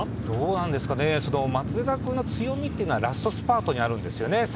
どうなんですかね、松枝君の強みはラストスパートにあるんですよね。